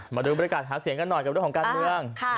มาดูบริการหาเสียงกันหน่อยกับเรื่องของการเมือง